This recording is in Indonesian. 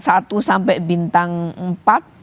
satu sampai bintang empat